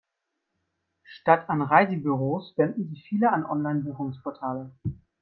Statt an Reisebüros wenden sich viele an Online-Buchungsportale.